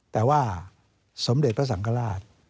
แต่ว่าสมเด็จพระสังฆราช